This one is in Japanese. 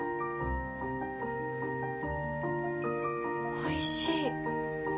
おいしい。